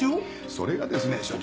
それがですね署長。